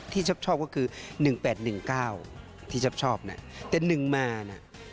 ที่ชอบชอบก็คือ๑๘๑๙ที่ชอบชอบนะแต่๑มานะ